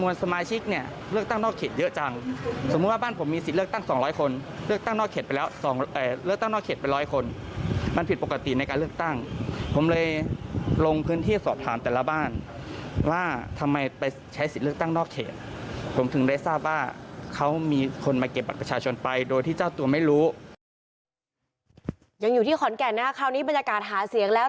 ยังอยู่ที่ขอนแก่นนะครับคราวนี้บรรยากาศหาเสียงแล้ว